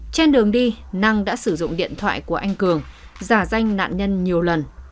trên đường đi năng đã sử dụng điện thoại của anh cường giả danh nạn nhân nhiều lần